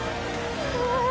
うわ。